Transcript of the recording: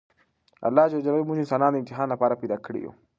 الله ج موږ انسانان د امتحان لپاره پیدا کړي یوو!